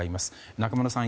中村さん